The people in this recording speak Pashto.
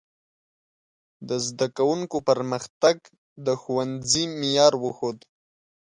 د زده کوونکو پرمختګ د ښوونځي معیار وښود.